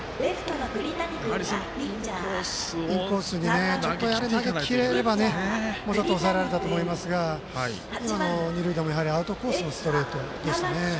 インコースを切れればもうちょっと抑えられたと思いますが今の二塁打もアウトコースへのストレートでした。